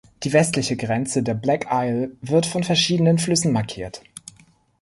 Die westliche Grenze der Black Isle wird von verschiedenen Flüssen markiert.